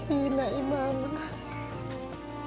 untuk menikmati ke rumah tante